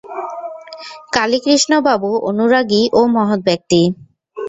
কালীকৃষ্ণবাবু অনুরাগী ও মহৎ ব্যক্তি।